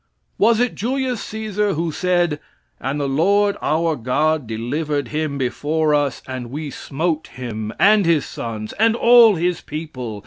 Was it Julius Caesar who said, "And the Lord our God delivered him before us; and we smote him, and his sons, and all his people.